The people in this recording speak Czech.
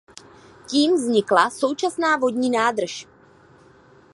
Tím vznikla současná vodní nádrž.